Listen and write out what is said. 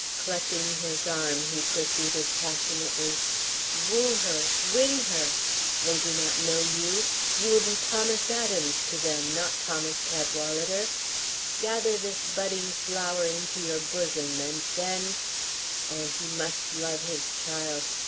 Clutching his arm, he proceeded passionately: "Woo her! Win her! They do not know you. You will be Thomas Adams to them, not Thomas Cadwalader. Gather this budding flower into your bosom, and then Oh, he must love his child!